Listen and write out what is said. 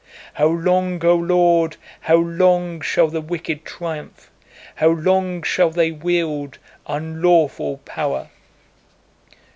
How long, O Lord, how long shall the wicked triumph? How long shall they wield unlawful power?